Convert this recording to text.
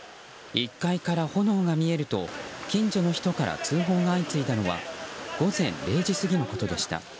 １階から炎が見えると近所の人から通報が相次いだのは午前０時過ぎのことでした。